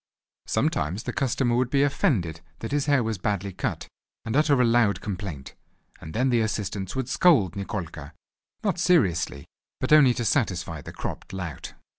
_ Sometimes the customer would be offended that his hair was badly cut and utter a loud complaint, and then the assistants would scold Nikolka, not seriously, but only to satisfy the cropped lout.